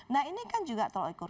nah ini kan juga telur ikur